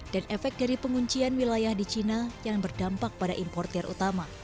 dan efek dari penguncian wilayah di china yang berdampak pada importer utama